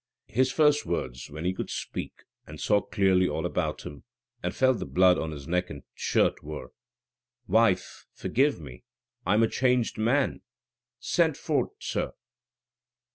His first words, when he could speak and saw clearly all about him, and felt the blood on his neck and shirt, were: "Wife, forgie me. I'm a changed man. Send for't sir."